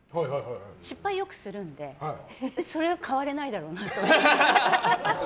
失敗をよくするのでそれは代われないだろうなと。